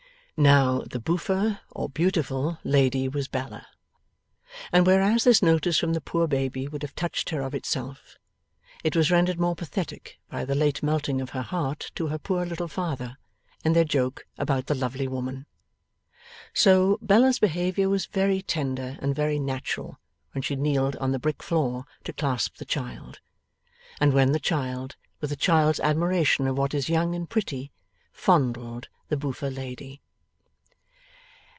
Now, the boofer, or beautiful, lady was Bella; and whereas this notice from the poor baby would have touched her of itself; it was rendered more pathetic by the late melting of her heart to her poor little father, and their joke about the lovely woman. So, Bella's behaviour was very tender and very natural when she kneeled on the brick floor to clasp the child, and when the child, with a child's admiration of what is young and pretty, fondled the boofer lady.